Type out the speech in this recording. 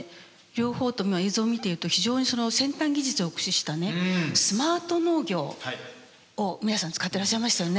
両方とも映像を見ていると非常にその先端技術を駆使したねスマート農業を皆さん使ってらっしゃいましたよね。